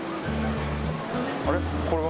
あれ？